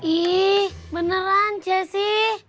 ih beneran cesi